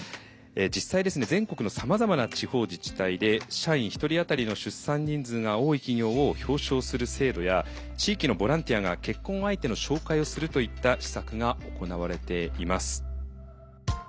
実際全国のさまざまな地方自治体で社員１人あたりの出産人数が多い企業を表彰する制度や地域のボランティアが結婚相手の紹介をするといった施策が行われています。